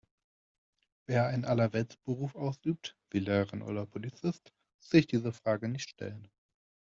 Wer einen Allerweltsberuf ausübt, wie Lehrerin oder Polizist, muss sich diese Frage nicht stellen.